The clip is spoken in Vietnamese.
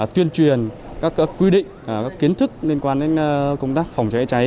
tuyên truyền các quy định các kiến thức liên quan đến công tác phòng cháy cháy